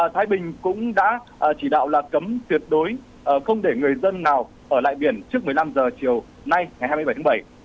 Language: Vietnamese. thái bình cũng đã chỉ đạo là cấm tuyệt đối không để người dân nào ở lại biển trước một mươi năm h chiều nay ngày hai mươi bảy tháng bảy